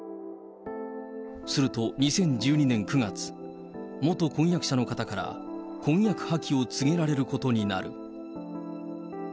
すると、２０１２年９月、元婚約者の方から婚約破棄を告げられることになる。